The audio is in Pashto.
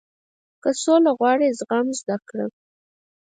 • که سوله غواړې، زغم زده کړه.